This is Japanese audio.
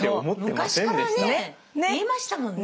昔からね言いましたもんね